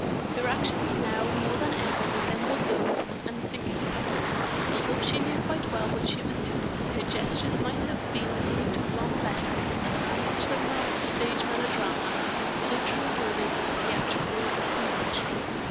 Her actions now more than ever resembled those of an unthinking puppet, although she knew quite well what she was doing; and her gestures might have been the fruit of long lessoning at the hands of some master of stage melodrama, so true were they to theatrical convention.